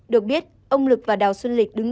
được biết ông lực và đào xuân lịch đứng